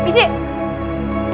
umi aida jangan